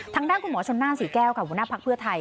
ทางด้านคุณหมอศนานสีแก้วกับเมืองหน้าพรรคเพื่อไทย